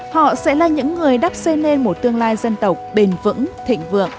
họ sẽ là những người đắp xây lên một tương lai dân tộc bền vững thịnh vượng